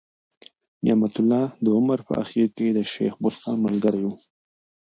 نعمت الله د عمر په آخر کي د شېخ بستان ملګری ؤ.